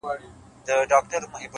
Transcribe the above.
هره ورځ د نوي فصل لومړۍ پاڼه ده؛